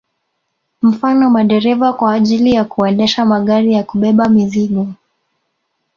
Mfano madereva kwa ajili ya kuendesha magari ya kubeba mizigo